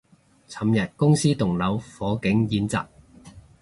尋日公司棟樓火警演習